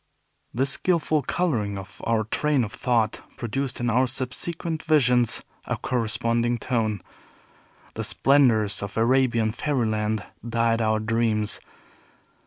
This skillful coloring of our train of thought produced in our subsequent visions a corresponding tone. The splendors of Arabian fairyland dyed our dreams.